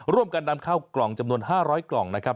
ร่วมกันนำเข้ากล่องจำนวน๕๐๐กล่องนะครับ